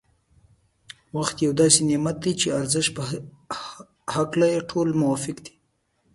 وخت یو داسې نعمت دی چي د ارزښت په هکله يې ټول موافق دی.